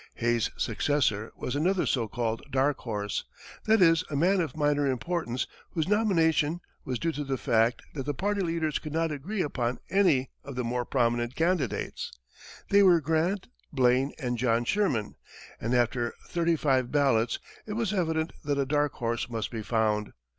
Hayes's successor was another so called "dark horse," that is, a man of minor importance, whose nomination, was due to the fact that the party leaders could not agree upon any of the more prominent candidates. They were Grant, Blaine and John Sherman, and after thirty five ballots, it was evident that a "dark horse" must be found.